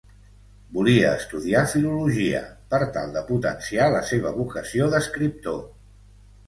Volia estudiar filologia, per tal de potenciar la seva vocació d'escriptor.